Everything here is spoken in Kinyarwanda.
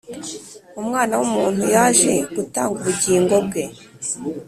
Umwana w’umuntu yaje gutanga ubugingo bwe